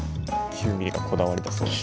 ９ｍｍがこだわりだそうです。